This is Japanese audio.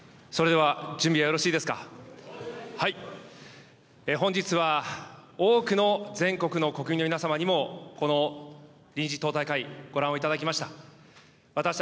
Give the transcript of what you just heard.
はい、本日は多くの全国の国民の皆様にも、この臨時党大会、ご覧をいただきました。